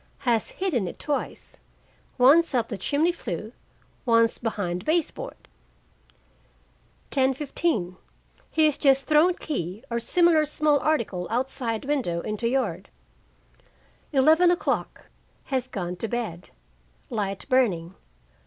Has hidden it twice, once up the chimney flue, once behind base board. 10:15 He has just thrown key or similar small article outside window into yard. 11:00 Has gone to bed. Light burning.